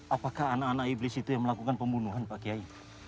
apakah anak anak iblis itu yang melakukan pembunuhan pak kiai